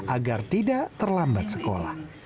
agar tidak terlambat sekolah